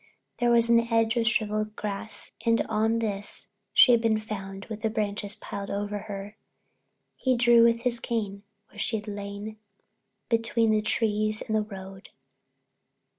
There was an edge of shriveled grass and on this she had been found with the branches piled over her. He drew with his cane where she had lain between the trees and the road.